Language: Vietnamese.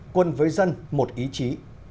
quân với dân một ý chí